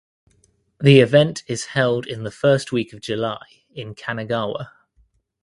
The event is held in the first week of July in Kanagawa.